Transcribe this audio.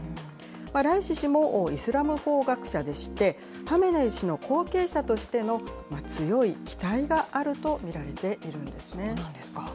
ライシ氏もイスラム法学者でして、ハメネイ師の後継者としての強い期待があると見られているんですね。